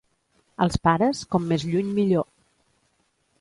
Els pares, com més lluny millor.